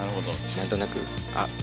何となくあっおお！